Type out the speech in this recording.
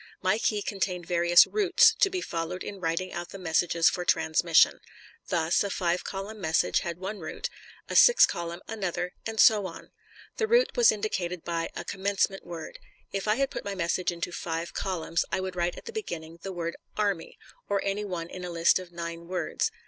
My key contained various "routes," to be followed in writing out the messages for transmission. Thus, a five column message had one route, a six column another, and so on. The route was indicated by a "commencement word." If I had put my message into five columns, I would write at the beginning the word "Army," or any one in a list of nine words.